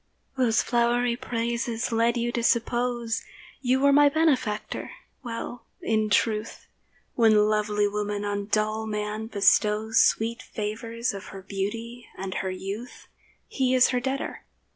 Those flowery praises led you to suppose You were my benefactor. Well, in truth, When lovely woman on dull man bestows Sweet favours of her beauty and her youth, He is her debtor.